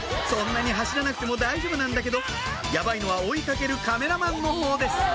そんなに走らなくても大丈夫なんだけどやばいのは追い掛けるカメラマンのほうです